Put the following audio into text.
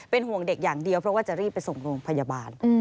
เป็นห่วงเด็กอย่างเดียวเพราะว่าจะรีบไปส่งโรงพยาบาล